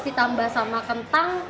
ditambah sama kentang